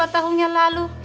empat tahun yang lalu